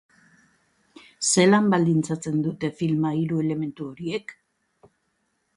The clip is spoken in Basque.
Zelan baldintzatzen dute filma hiru elementu horiek?